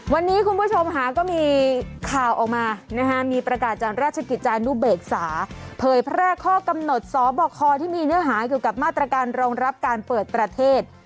วันนี้คุณผู้ชมค่ะก็มีข่าวออกมานะฮะมีประกาศจากราชกิจจานุเบกษาเผยแพร่ข้อกำหนดสบคที่มีเนื้อหาเกี่ยวกับมาตรการรองรับการเปิดประเทศ